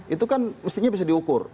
itu kan mestinya bisa diukur